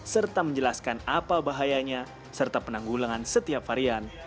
serta menjelaskan apa bahayanya serta penanggulangan setiap varian